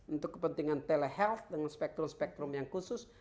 untuk kepentingan tele health dengan spektrum spektrum yang khusus